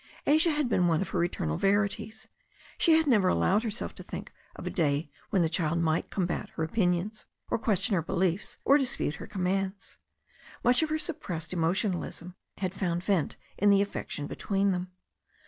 Asia had been one of her eternal verities. She had never allowed herself to think of a day when the child might com bat her opinions, or question her beliefs, or dispute her commands. Much of her suppressed emotionalism had found vent in the affection between them.